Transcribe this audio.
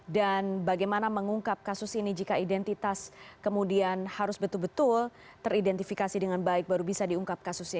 dan bagaimana mengungkap kasus ini jika identitas kemudian harus betul betul teridentifikasi dengan baik baru bisa diungkap kasusnya